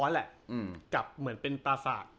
เหมือนเป็นปราสาท